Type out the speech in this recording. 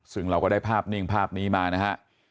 ซึ่งเราก็ได้ภาพนิ่งภาพนี้มานะฮะ